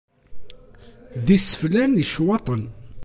D iseflan i ccwaṭen.